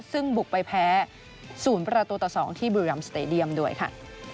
ซึ่งบุกไปแพ้ศูนย์ประตูต่อสองที่บริรัมย์สเตดียมด้วยค่ะ